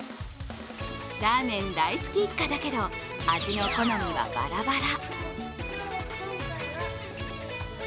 ラーメン大好き一家だけど、味の好みはバラバラ。